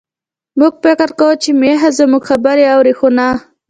موږ فکر کاوه چې میښه زموږ خبرې اوري، خو نه.